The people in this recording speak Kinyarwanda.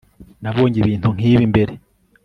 nabonye ibintu nkibi mbere